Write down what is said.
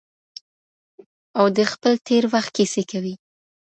او د خپل تیر وخت کیسې کوي.